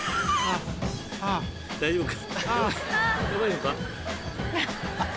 大丈夫か？